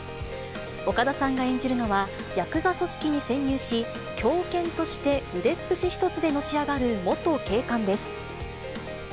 岡田さんが演じるのは、ヤクザ組織に潜入し、狂犬として腕っぷし一つでのし上がる元警官です。